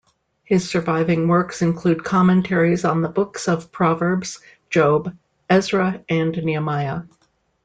His surviving works include commentaries on the books of Proverbs, Job, Ezra, and Nehemiah.